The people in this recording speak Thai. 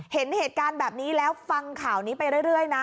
เห็นเหตุการณ์แบบนี้แล้วฟังข่าวนี้ไปเรื่อยนะ